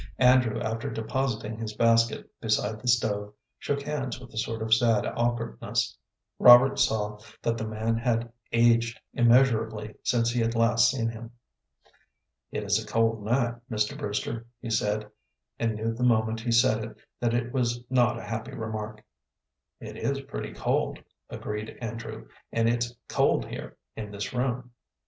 Andrew, after depositing his basket beside the stove, shook hands with a sort of sad awkwardness. Robert saw that the man had aged immeasurably since he had last seen him. "It is a cold night, Mr. Brewster," he said, and knew the moment he said it that it was not a happy remark. "It is pretty cold," agreed Andrew, "and it's cold here in this room."